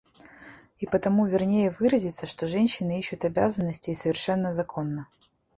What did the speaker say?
И потому вернее выразиться, что женщины ищут обязанностей, и совершенно законно.